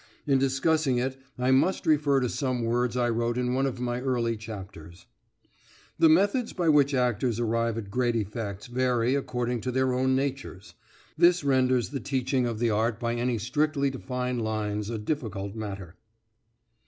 In discussing it I must refer to some words I wrote in one of my early chapters: "The methods by which actors arrive at great effects vary according to their own natures; this renders the teaching of the art by any strictly defined lines a difficult matter."